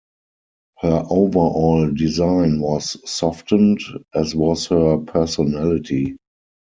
Her overall design was softened, as was her personality.